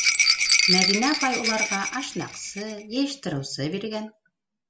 Мәҙинә апай уларға ашнаҡсы, йыйыштырыусы биргән.